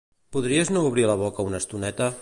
Podries no obrir la boca una estoneta?